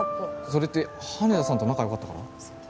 ・それって羽田さんと仲良かったから？